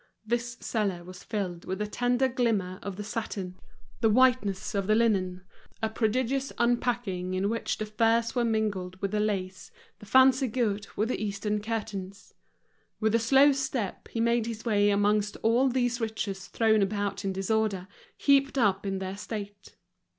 This cellar was filled with the tender glimmer of the satin, the whiteness of the linen, a prodigious unpacking in which the furs were mingled with the lace, the fancy goods with the Eastern curtains. With a slow step he made his way amongst all these riches thrown about in disorder, heaped up in their state.